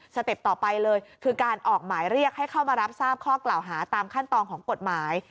เต็ปต่อไปเลยคือการออกหมายเรียกให้เข้ามารับทราบข้อกล่าวหาตามขั้นตอนของกฎหมาย